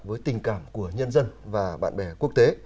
với tình cảm của nhân dân và bạn bè quốc tế